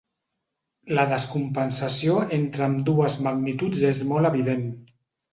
La descompensació entre ambdues magnituds és molt evident.